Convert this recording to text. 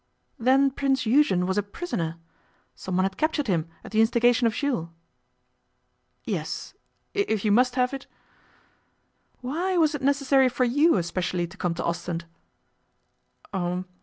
'Then Prince Eugen was a prisoner? Some one had captured him at the instigation of Jules?' 'Yes, if you must have it.' 'Why was it necessary for you specially to come to Ostend?